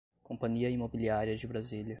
Companhia Imobiliária de Brasília